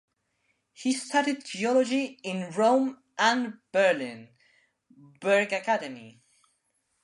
He studied geology in Rome and Berlin (Bergakademie).